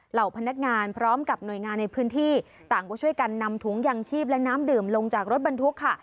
เหล่าพนักงานพร้อมกับหน่วยงานในพื้นที่ต่างก็ช่วยกันนำถุงยางชีพและน้ำดื่มลงจากรถบรรทุกค่ะ